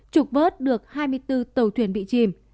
trục vớt được hai mươi bốn tàu thuyền bị chìm